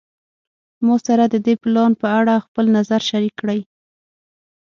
ما سره د دې پلان په اړه خپل نظر شریک کړی